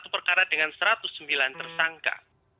sembilan puluh satu perkara dengan satu ratus sembilan tersangka